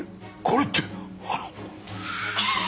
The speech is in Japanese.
これってあの。